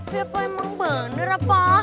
ya pak emang bener apa